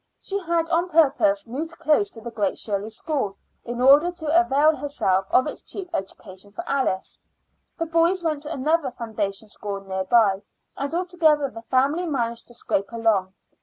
She had on purpose moved close to the Great Shirley School in order to avail herself of its cheap education for Alice. The boys went to another foundation school near by; and altogether the family managed to scrape along.